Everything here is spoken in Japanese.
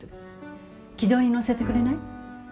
軌道に乗せてくれない？